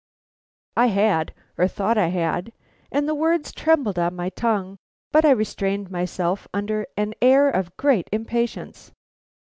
I had, or thought I had, and the words trembled on my tongue. But I restrained myself under an air of great impatience.